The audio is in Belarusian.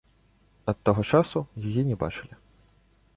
Ад таго часу яе не бачылі.